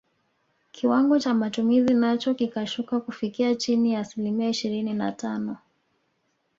Kiwango cha matumizi nacho kikashuka kufikia chini ya asilimia ishirini na tano